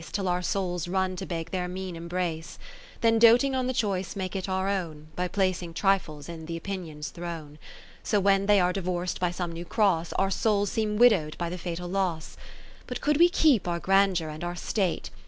Till our souls run to beg their mean embrace ; Then doting on the choice make it our own, By placing trifles in th' Opinion's throne. 60 So when they are divorc'd by some new cross. Our souls seem widow'd by the fatal loss : But could we keep our grandeur and our state.